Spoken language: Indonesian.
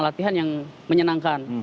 suasana latihan yang menyenangkan